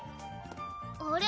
あれ？